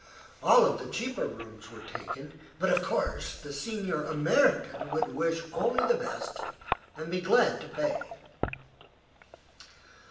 All of the cheaper rooms were taken; but of course the Signor Americain would wish only the best and be glad to pay.